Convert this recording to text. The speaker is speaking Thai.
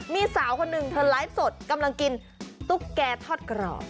มีสาวคนหนึ่งเธอไลฟ์สดกำลังกินตุ๊กแกทอดกรอบ